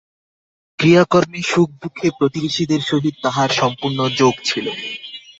ক্রিয়াকর্মে সুখে দুঃখে প্রতিবেশীদের সহিত তাঁহার সম্পূর্ণ যোগ ছিল।